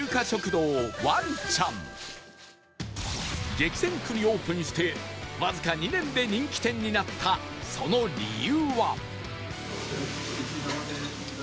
激戦区にオープンしてわずか２年で人気店になったその理由は？